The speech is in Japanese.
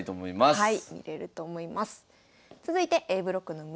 はい。